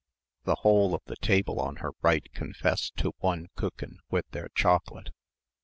The whole of the table on her right confessed to one Kuchen with their chocolate.